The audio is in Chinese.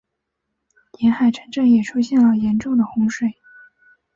沿海城镇也出现了严重的洪水。